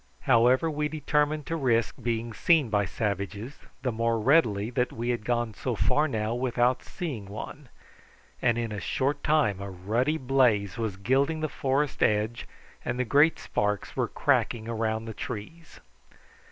However we determined to risk being seen by savages, the more readily that we had gone so far now without seeing one, and in a short time a ruddy blaze was gilding the forest edge and the great sparks were cracking around the trees.